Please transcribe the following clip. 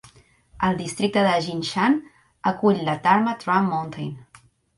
El districte de Jinshan acull la Dharma Drum Mountain.